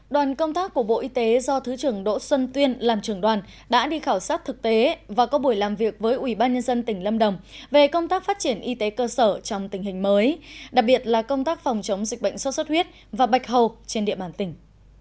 đoàn công tác của bộ y tế do thứ trưởng đỗ xuân tuyên làm trưởng đoàn đã đi khảo sát thực tế và có buổi làm việc với ủy ban nhân dân tỉnh lâm đồng về công tác phát triển y tế cơ sở trong tình hình mới đặc biệt là công tác phòng chống dịch bệnh sốt xuất huyết và bạch hầu trên địa bàn tỉnh